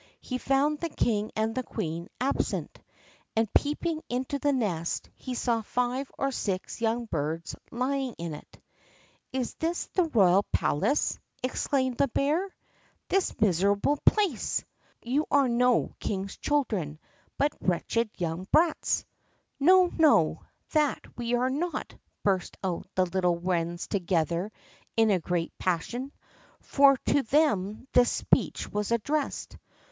He found the king and queen absent, and, peeping into the nest, he saw five or six young birds lying in it. "Is this the royal palace?" exclaimed the bear; "this miserable place! You are no king's children, but wretched young brats." "No, no, that we are not!" burst out the little wrens together in a great passion, for to them this speech was addressed.